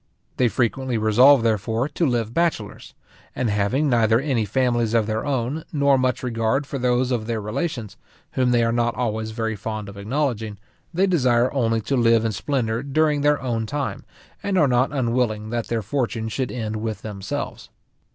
They frequently resolve, therefore, to live bachelors; and having neither any families of their own, nor much regard for those of their relations, whom they are not always very fond of acknowledging, they desire only to live in splendour during their own time, and are not unwilling that their fortune should end with themselves.